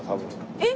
えっ！